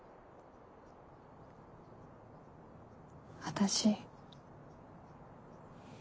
私。